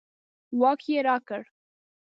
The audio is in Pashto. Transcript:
واک یې راکړ.